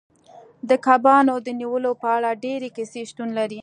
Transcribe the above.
د کبانو د نیولو په اړه ډیرې کیسې شتون لري